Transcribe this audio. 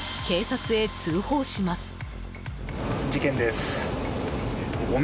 警察へ通報します。